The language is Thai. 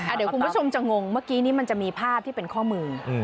เดี๋ยวคุณผู้ชมจะงงเมื่อกี้นี้มันจะมีภาพที่เป็นข้อมือ